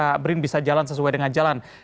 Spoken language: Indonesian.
sehingga brin bisa jalan sesuai dengan jalan